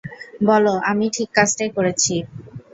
বল, আমি ঠিক কাজটাই করেছি।